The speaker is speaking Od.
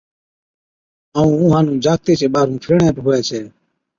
ائُون اُونھان نُون جاکَتي چي ٻاھرُون ڦِرڻي ھُوي ڇَي